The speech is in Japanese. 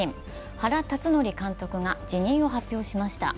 原辰徳監督が辞任を発表しました。